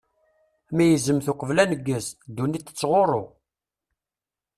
Meyyzemt uqbel aneggez, ddunit tettɣuṛṛu!